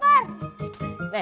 wah mau kemana